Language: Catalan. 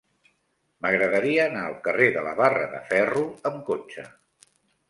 M'agradaria anar al carrer de la Barra de Ferro amb cotxe.